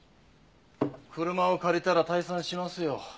車を借りたら退散しますよ。